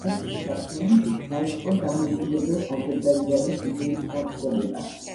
თავისი საქმიანობით დაიწყო „დამოუკიდებელ აზერბაიჯანის“ იდეის გავრცელება.